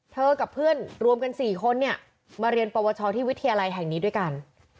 กับเพื่อนรวมกัน๔คนเนี่ยมาเรียนปวชที่วิทยาลัยแห่งนี้ด้วยกัน